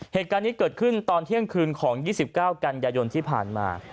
เหตุการณ์นี้เกิดขึ้นตอนเที่ยงคืนของ๒๙กันยายนที่ผ่านมา